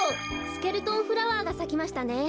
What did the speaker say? スケルトンフラワーがさきましたね。